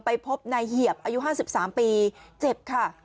พบนายเหยียบอายุ๕๓ปีเจ็บค่ะ